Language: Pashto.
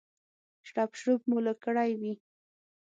شړپ شړوپ مو لږ کړی وي.